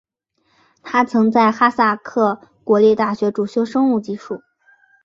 他曾在哈萨克国立大学主修生物技术。